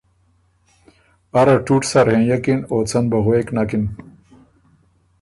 اره ټوټ سر هېںئکِن او څۀ ن بُو غوېک نکِن